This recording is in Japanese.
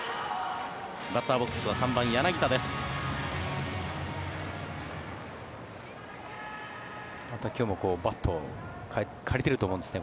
バッターボックスは３番、柳田です。